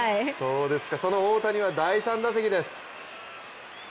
その大谷は第３打席です。